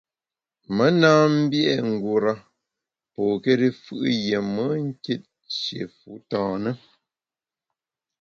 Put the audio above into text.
Me na mbié’ ngura pôkéri fù’ yié me nkit nshié fu tâ na.